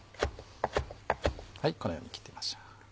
このように切っていきましょう。